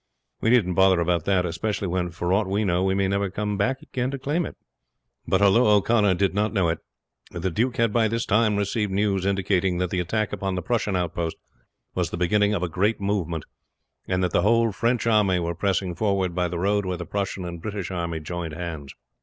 We needn't bother about that; especially when, for aught we know, we may never come back to claim it." But although O'Connor did not know it, the duke had by this time received news indicating that the attack upon the Prussian outpost was the beginning of a great movement, and that the whole French army were pressing forward by the road where the Prussian and British army joined hands.